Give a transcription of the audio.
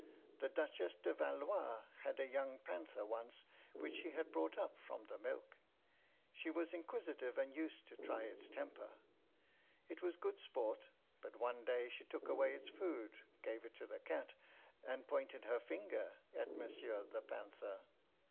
The Duchess de Valois had a young panther once which she had brought up from the milk. She was inquisitive, and used to try its temper. It was good sport, but one day she took away its food, gave it to the cat, and pointed her finger at monsieur the panther.